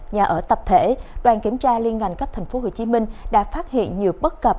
nhà ở tập thể đoàn kiểm tra liên ngành các thành phố hồ chí minh đã phát hiện nhiều bất cập